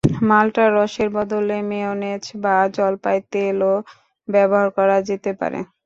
মাল্টার রসের বদলে মেয়োনেজ বা জলপাই তেলও ব্যবহার করা যেতে পারে।